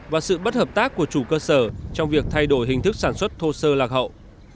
và sự bất hợp tác của chủ cơ sở trong việc thay đổi hình thức sản xuất thô sơ lạc hậu